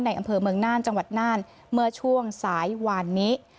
อำเภอเมืองน่านจังหวัดน่านเมื่อช่วงสายวานนี้